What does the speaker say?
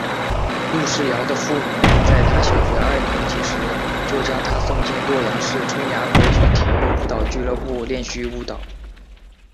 陈世瑶的父母在她小学二年级时就将她送进洛阳市春芽国际体育舞蹈俱乐部练习舞蹈。